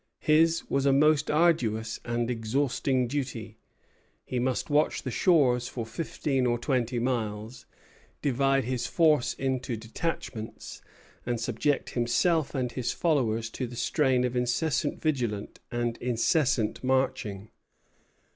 His was a most arduous and exhausting duty. He must watch the shores for fifteen or twenty miles, divide his force into detachments, and subject himself and his followers to the strain of incessant vigilance and incessant marching.